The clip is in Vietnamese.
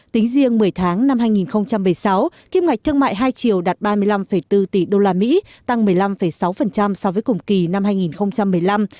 tính riêng một mươi tháng năm hai nghìn một mươi sáu kim ngạch thương mại hai triệu đạt ba mươi năm bốn tỷ usd tăng một mươi năm sáu so với cùng kỳ năm hai nghìn một mươi năm